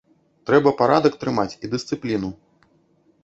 Трэба парадак трымаць і дысцыпліну.